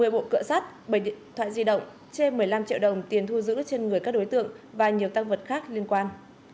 một mươi bộ cựa sắt bảy điện thoại di động trên một mươi năm triệu đồng tiền thu giữ trên người các đối tượng và nhiều tăng vật khác liên quan